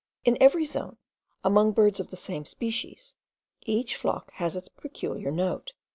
In every zone, among birds of the same species, each flock has its peculiar note.